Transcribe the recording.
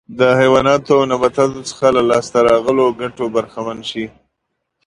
د حیواناتو او نباتاتو څخه له لاسته راغلو ګټو برخمن شي.